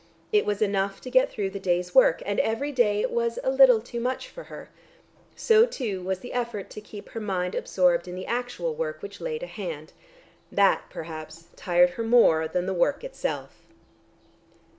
It was enough to get through the day's work, and every day it was a little too much for her. So too was the effort to keep her mind absorbed in the actual work which lay to hand. That perhaps tired her more than the work itself.